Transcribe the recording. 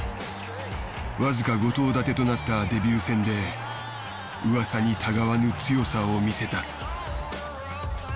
わずか５頭立てとなったデビュー戦で噂にたがわぬ強さを見せた。